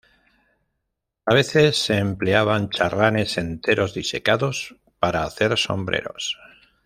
A veces se empleaban charranes enteros disecados para hacer sombreros.